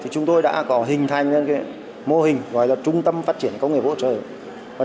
chúng tôi đã có hình thành những mô hình gọi là trung tâm phát triển công nghiệp hỗ trợ